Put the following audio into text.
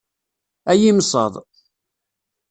Ay imsaḍ!